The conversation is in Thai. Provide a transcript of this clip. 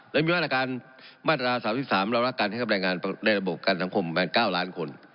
และมีมาตรการมาตรา๓๓รับลักษณะให้กับแบรนด์งานในระบบการสังคม๙ล้านคน